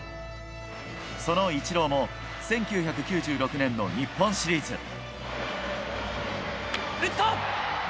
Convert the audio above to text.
そのイチローも１９９６年の日本シリーズ。打った！